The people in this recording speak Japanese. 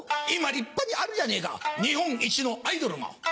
今立派にあるじゃねえか日本一のアイドルが。